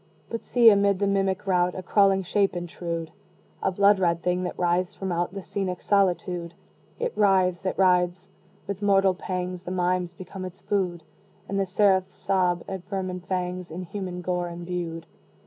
But see, amid the mimic rout, A crawling shape intrude! A blood red thing that writhes from out The scenic solitude! It writhes! it writhes! with mortal pangs The mimes become its food, And the seraphs sob at vermin fangs In human gore imbued.